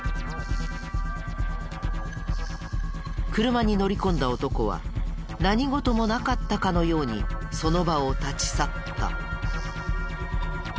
車に乗り込んだ男は何事もなかったかのようにその場を立ち去った。